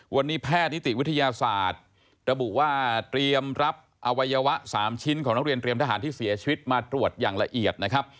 วันนี้แพทย์นิติวิทยาศาสตร์ระบุว่าเตรียมรับอวัยวะ๓ชิ้นของนักเรียนเตรียมทหารที่เสียชีวิตมาตรวจอย่างละเอียดนะครับ